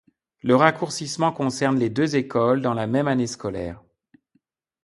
Le raccourcissement concerne les deux écoles dans la même année scolaire.